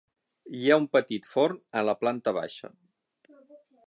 Hi ha un petit forn a la planta baixa.